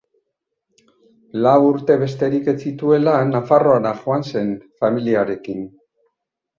Lau urte besterik ez zituela, Nafarroara joan zen familiarekin.